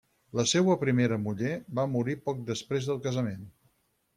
La seua primera muller va morir poc després del casament.